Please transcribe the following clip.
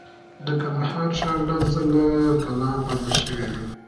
د کندهار ښار لس ځله کلا بند شوی و.